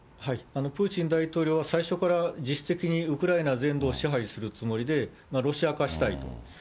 プーチン大統領は、最初から実質的にウクライナ全土を支配するつもりで、ロシア化したいと。